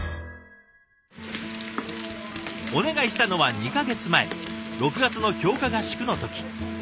お願いしたのは２か月前６月の強化合宿の時。